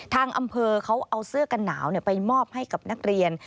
ทางอำเภอเขาเอาเสื้อกันหนาวไปมอบให้กับนักเรียน